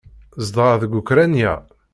Zedɣeɣ deg Ukṛanya.